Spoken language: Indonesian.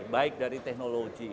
baik dari teknologi